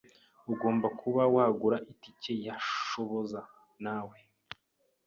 Ugomba kuba wagura itike ya Shoboza , nawe.